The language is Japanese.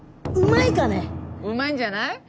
うまいんじゃない？